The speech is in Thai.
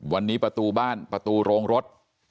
วันนี้ประตูบ้านประตูโรงรถ